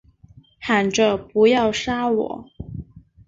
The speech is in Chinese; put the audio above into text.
喊着不要杀我